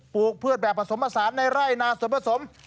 ปลูกพืชแบบผสมผสานในไร่นาส่วนผสม